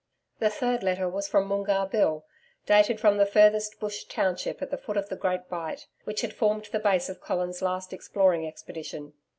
The third letter was from Moongarr Bill, dated from the furthest Bush township at the foot of the Great Bight, which had formed the base of Colin's last exploring expedition.